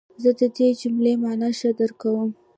زه د دې جملې مانا ښه درک کوم.